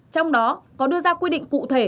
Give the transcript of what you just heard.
trong đó có đưa ra quy định cụ thể